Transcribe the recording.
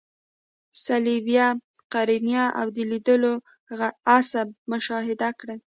صلبیه، قرنیه او د لیدلو عصب مشاهده کړئ.